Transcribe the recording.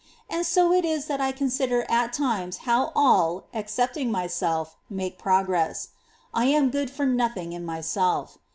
And so it is that I consider at times how all, except myself, make progress ; I am good for nothing in myself.